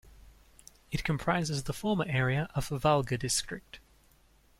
It comprises the former area of Valga District.